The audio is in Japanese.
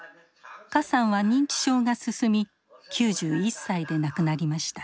何さんは認知症が進み９１歳で亡くなりました。